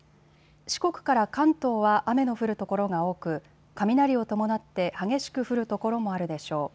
四国から関東は雨の降る所が多く雷を伴って激しく降る所もあるでしょう。